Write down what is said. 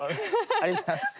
ありがとうございます。